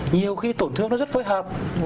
nhiều khi tổn thương nó rất phối hợp